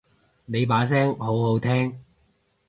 你把聲好好聽